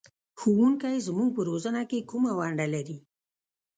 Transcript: ښوونکی زموږ په روزنه کې کومه ونډه لري؟